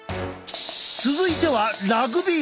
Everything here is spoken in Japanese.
続いてはラグビー部。